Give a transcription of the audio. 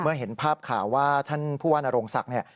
เมื่อเห็นภาพข่าวว่าท่านผู้ว่านโรงศักดิ์